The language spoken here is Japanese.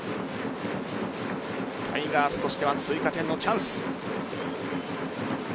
タイガースとしては追加点のチャンス。